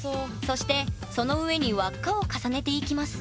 そしてその上に輪っかを重ねていきます。